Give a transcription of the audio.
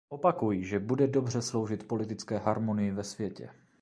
Opakuji, že bude dobře sloužit politické harmonii ve světě.